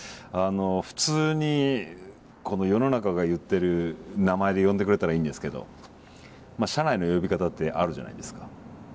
普通に世の中が言ってる名前で呼んでくれたらいいんですけど社内の呼び方ってあるじゃないですか。